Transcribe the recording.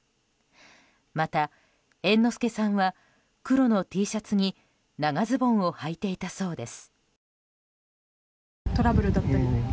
また、猿之助さんは黒のＴシャツに長ズボンをはいていたそうです。